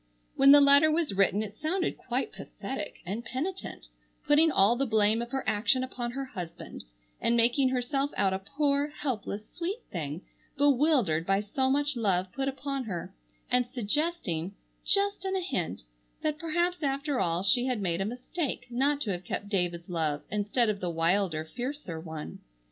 When the letter was written it sounded quite pathetic and penitent, putting all the blame of her action upon her husband, and making herself out a poor, helpless, sweet thing, bewildered by so much love put upon her, and suggesting, just in a hint, that perhaps after all she had made a mistake not to have kept David's love instead of the wilder, fiercer one.